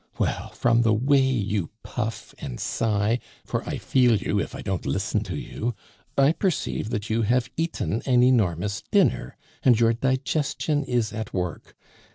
Well, from the way you puff and sigh for I feel you if I don't listen to you I perceive that you have eaten an enormous dinner, and your digestion is at work.